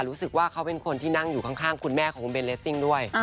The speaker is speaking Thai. รู้สึกว่าเขาเป็นคนที่นั่งอยู่ข้างคุณแม่ของคุณเบนเลสซิ่งด้วย